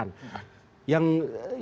yang terjadi kan sebetulnya